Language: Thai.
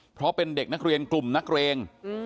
เพราะเป็นเด็กนักเรียนกลุ่มนักเรง